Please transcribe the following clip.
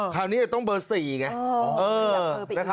คราวนี้จะต้องเบอร์๔ไง